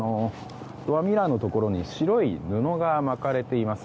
ドアミラーのところに白い布が巻かれています。